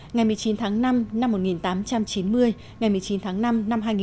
ngày một mươi chín tháng năm năm một nghìn tám trăm chín mươi ngày một mươi chín tháng năm năm hai nghìn hai mươi